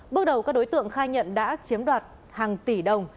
bước đầu các đối tượng khai nhận đã chiếm đoạt hàng tỷ đồng